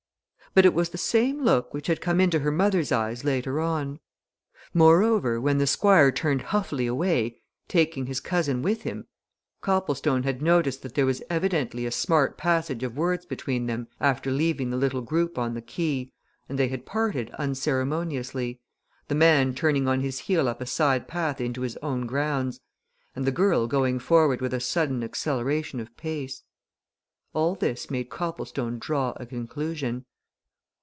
But it was the same look which had come into her mother's eyes later on. Moreover, when the Squire turned huffily away, taking his cousin with him, Copplestone had noticed that there was evidently a smart passage of words between them after leaving the little group on the quay, and they had parted unceremoniously, the man turning on his heel up a side path into his own grounds and the girl going forward with a sudden acceleration of pace. All this made Copplestone draw a conclusion.